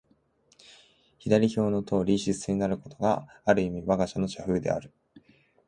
左表のとおりの支出になることが、ある意味わが社の社風である。